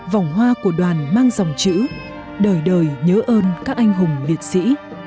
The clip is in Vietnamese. vòng hoa của đoàn mang dòng chữ đời đời nhớ ơn các anh hùng liệt sĩ